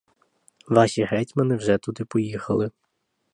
Ваші гетьмани вже туди поїхали.